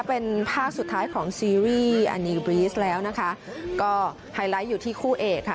เป็นภาพสุดท้ายของซีรีส์อันนี้บรีสแล้วนะคะก็ไฮไลท์อยู่ที่คู่เอกค่ะ